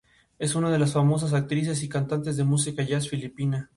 Es una de las famosas actrices y cantantes de música jazz filipina.